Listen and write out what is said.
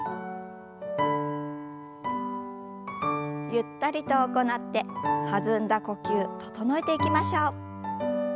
ゆったりと行って弾んだ呼吸整えていきましょう。